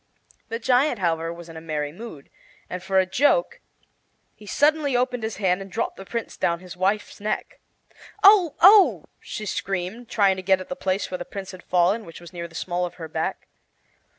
The giant, however, was in a merry mood, and for a joke he suddenly opened his hand and dropped the Prince down his wife's neck. "Oh, oh!" she screamed, trying to get at the place where the Prince had fallen, which was near the small of her back.